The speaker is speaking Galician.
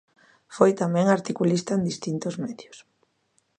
Foi tamén articulista en distintos medios.